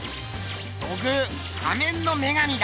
土偶「仮面の女神」だ！